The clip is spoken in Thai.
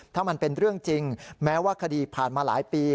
ถ้ามันเป็นเรื่องจริงแม้ว่าคดีผ่านมาหลายปี